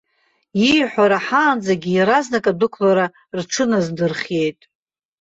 Ииҳәо раҳаанӡагьы иаразнак адәықәлара рҽыназдырхиеит.